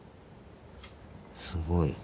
すごい。